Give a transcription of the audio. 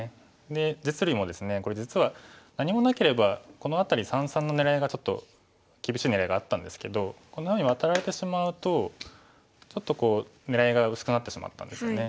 で実利もですねこれ実は何もなければこの辺り三々の狙いがちょっと厳しい狙いがあったんですけどこんなふうにワタられてしまうとちょっと狙いが薄くなってしまったんですよね。